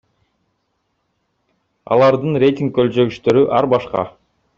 Алардын рейтинг өлчөгүчтөрү ар башка.